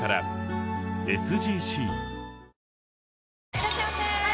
いらっしゃいませ！